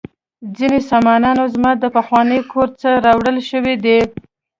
ځینې سامانونه زما د پخواني کور څخه راوړل شوي دي